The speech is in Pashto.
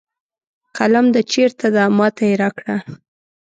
قلم د چېرته ده ما ته یې راکړه